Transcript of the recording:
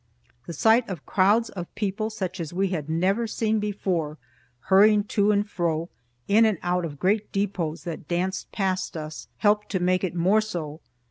The sight of crowds of people such as we had never seen before, hurrying to and fro, in and out of great depots that danced past us, helped to make it more so.